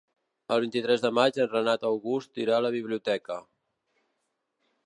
El vint-i-tres de maig en Renat August irà a la biblioteca.